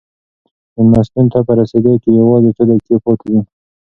مېلمستون ته په رسېدو کې یوازې څو دقیقې پاتې دي.